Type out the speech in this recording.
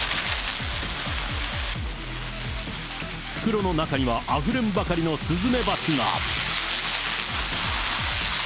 袋の中には、あふれんばかりのスズメバチが。